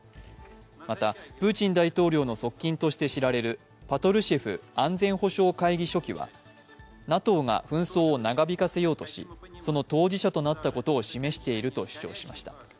また、プーチン大統領の側近として知られるパトルシェフ安全保障会議書記はＮＡＴＯが紛争を長引かせようとし、その当事者となったことを示していると主張しました。